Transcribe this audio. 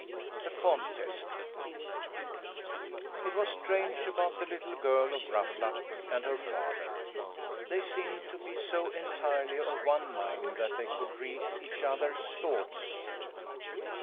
THE CONTEST It was strange about the little girl of Ruffluck and her father! They seemed to be so entirely of one mind that they could read each other's thoughts.